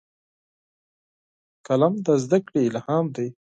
قلم د زدهکړې الهام دی